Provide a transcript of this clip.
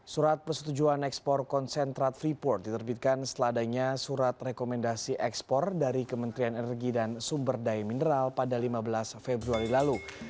surat persetujuan ekspor konsentrat freeport diterbitkan setelah adanya surat rekomendasi ekspor dari kementerian energi dan sumber daya mineral pada lima belas februari lalu